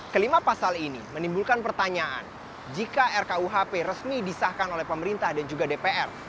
kelima pasal ini menimbulkan pertanyaan jika rkuhp resmi disahkan oleh pemerintah dan juga dpr